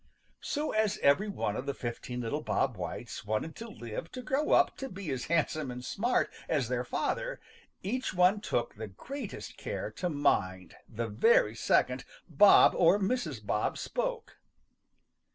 So as every one of the fifteen little Bob Whites wanted to five to grow up to be as handsome and smart as their father, each one took the greatest care to mind the very second Bob or Mrs. Bob spoke.